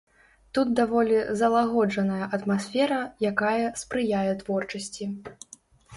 Тут даволі залагоджаная атмасфера, якая спрыяе творчасці.